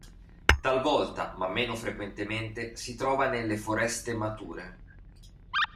Talvolta, ma meno frequentemente, si trova nelle foreste mature.